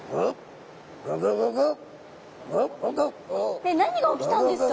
えっ何が起きたんですか？